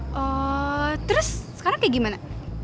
terus sekarang kayak gimana